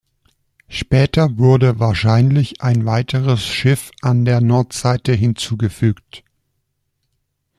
Später wurde wahrscheinlich ein weiteres Schiff an der Nordseite hinzugefügt.